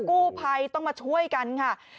กู้ภัยต้องมาช่วยกันค่ะ